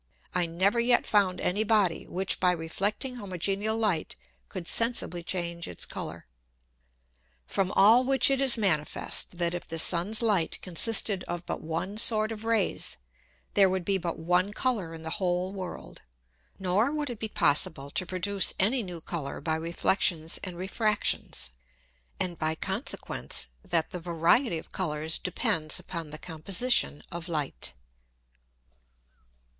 I never yet found any Body, which by reflecting homogeneal Light could sensibly change its Colour. From all which it is manifest, that if the Sun's Light consisted of but one sort of Rays, there would be but one Colour in the whole World, nor would it be possible to produce any new Colour by Reflexions and Refractions, and by consequence that the variety of Colours depends upon the Composition of Light.